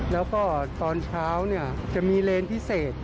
แล้วก็ตอนเช้าจะมีเลนพิเศษ